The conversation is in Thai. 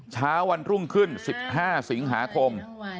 เช้าวันรุ่งขึ้น๑๕สิงหาคม